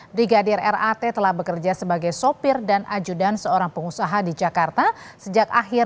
brigadir rat telah bekerja sebagai sopir dan ajudan seorang pengusaha di jakarta sejak akhir dua ribu dua puluh satu